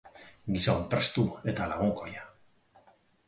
Gizon prestu eta lagunkoia.